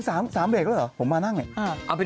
เอามากี้ก่อนไป